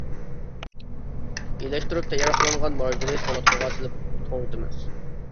ئىلەشتۈرۈپ تەييار قىلىنغان ماروژنىنى توڭلاتقۇغا سېلىپ توڭلىتىمىز.